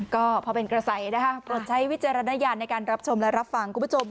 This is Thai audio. ก็พอเป็นกระแสนะคะโปรดใช้วิจารณญาณในการรับชมและรับฟังคุณผู้ชม